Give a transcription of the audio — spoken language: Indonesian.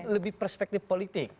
lebih perspektif politik